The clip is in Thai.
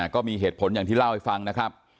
ก็มีเหตุผลอย่างที่เล่าให้ฟังนะครับ